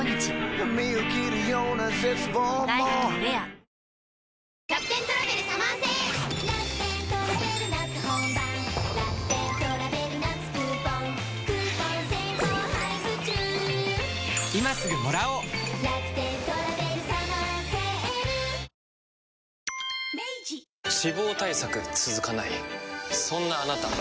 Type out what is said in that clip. そして脂肪対策続かないそんなあなた。